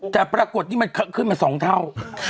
แต่ปรากฏนี่มันขึ้นมา๒เท่า